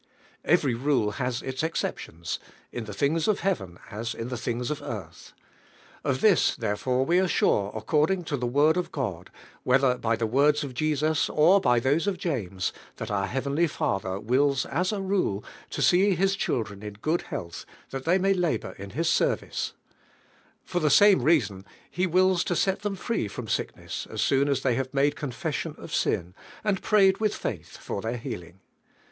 Every ru!e has its exceptions, in the things of heaven as in the things of earth. Of this therefore we are sure according to the Word of God, whether by the words of Je sus or 'by those of James, that our heav enly Father wills, as a rule, to see His children in good health th'aJt they may la bor in His service, For the same reason He wills to set them free from sickness as soon as they have made confession of sin and prayed with faith for their healing.